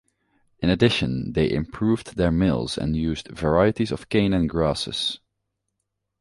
In addition, they improved their mills and used varieties of cane and grasses.